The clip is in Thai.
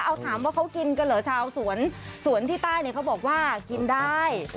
เอาถามว่าเขากินกันเหรอชาวสวนสวนที่ใต้เนี่ยเขาบอกว่ากินได้